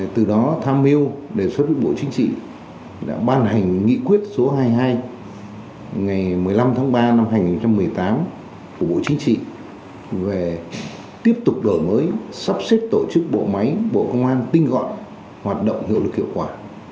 từ đó tham mưu đề xuất với bộ chính trị đã ban hành nghị quyết số hai mươi hai ngày một mươi năm tháng ba năm hai nghìn một mươi tám của bộ chính trị về tiếp tục đổi mới sắp xếp tổ chức bộ máy bộ công an tinh gọn hoạt động hiệu lực hiệu quả